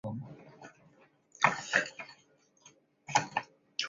柑桔皱叶刺节蜱为节蜱科皱叶刺节蜱属下的一个种。